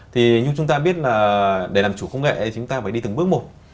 thì như chúng ta biết là để làm chủ công nghệ chúng ta phải đi từng bước một